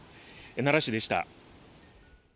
奈良市でした。